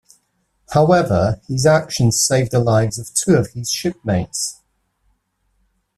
However, his actions saved the lives of two of his shipmates.